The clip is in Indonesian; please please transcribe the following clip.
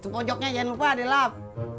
itu pojoknya jangan lupa di lap